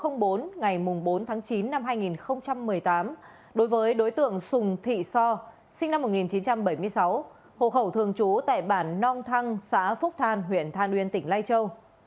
năm hai nghìn một mươi chín năm hai nghìn một mươi tám đối với đối tượng sùng thị so sinh năm một nghìn chín trăm bảy mươi sáu hộ khẩu thường chú tại bản nong thăng xã phúc than huyện than uyên tỉnh lai châu